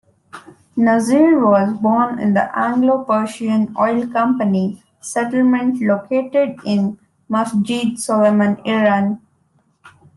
Nasseri was born in the Anglo-Persian Oil Company settlement located in Masjed Soleiman, Iran.